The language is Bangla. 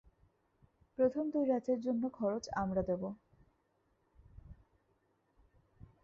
প্রথম দুই রাতের জন্য খরচ আমরা দেবো।